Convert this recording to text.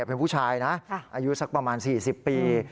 เป็นผู้ชายนะอายุสักประมาณ๔๐ปี